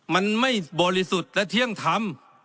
มันไม่บริสุทธิ์และเที่ยงธรรม